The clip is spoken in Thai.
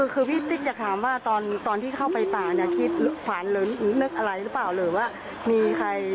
คือพี่ติ๊กจะถามว่าตอนที่เข้าไปป่าเนี่ยคิดขวานหรือนึกอะไรหรือเปล่าหรือว่ามีใคร